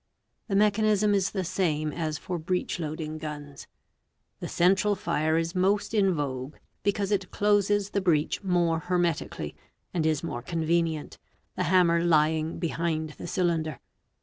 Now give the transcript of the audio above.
The mechanism is the same as for breech loading guns. The central fire is most in vogue, because it closes the 5 breech more hermetically, and is more convenient, the hammer lying "behind the cylinder.